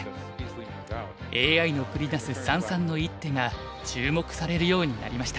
ＡＩの繰り出す三々の一手が注目されるようになりました。